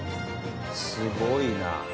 すごいな。